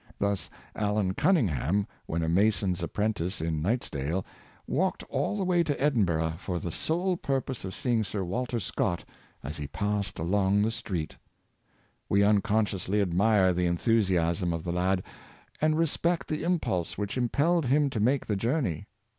Thus Allen Cun ningham, when a mason's apprentice in Nithsdale, walked all the way to Edinburgh for the sole purpose of seeing Sir Walter Scott as he passed along the street. 138 Tounsr Men '5 Heroes, <^ We unconsciously admire the enthusiasm of the lad, and respect the impulse which impelled him to make the journey.